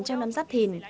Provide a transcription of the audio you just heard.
trong năm giáp thìn